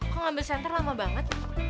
kok ngambil center lama banget